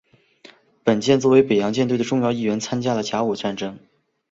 本舰作为北洋舰队的重要一员参加了甲午战争。